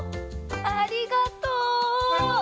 ありがとう！